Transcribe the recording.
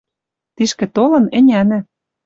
Тишкӹ толыт, ӹнянӹ.